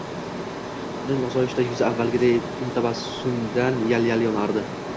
Uning osoyishta yuzi avvalgiday nimtabassumdan yal-yal yonardi